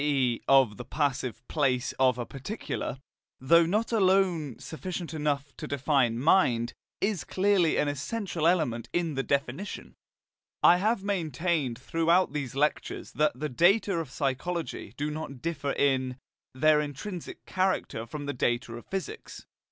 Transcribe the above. e. of the "passive" place of a particular, though not alone sufficient to define mind, is clearly an essential element in the definition. I have maintained throughout these lectures that the data of psychology do not differ in, their intrinsic character from the data of physics.